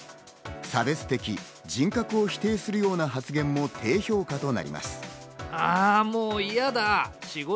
差別的人格を否定するような発言も低評価となります。